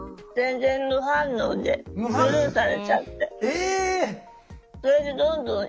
え！